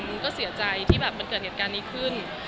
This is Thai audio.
มันก็เสียใจที่แบบมันเกิดเหตุการณ์นี้ขึ้น